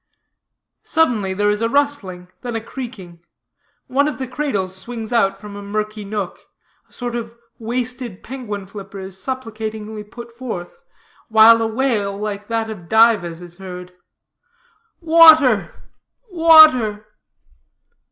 Suddenly there is a rustling, then a creaking, one of the cradles swings out from a murky nook, a sort of wasted penguin flipper is supplicatingly put forth, while a wail like that of Dives is heard: "Water, water!"